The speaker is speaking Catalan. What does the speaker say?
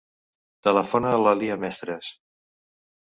Telefona a la Lya Mestres.